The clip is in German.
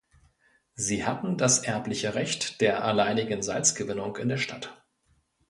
Sie hatten das erbliche Recht der alleinigen Salzgewinnung in der Stadt.